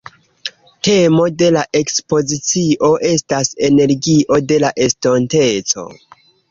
Temo de la ekspozicio estas «Energio de la Estonteco».